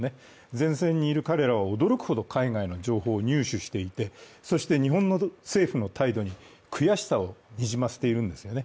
前線にいる彼らは驚くほど海外の情報を入手していて、そして日本の政府の態度に悔しさをにじませているんですね。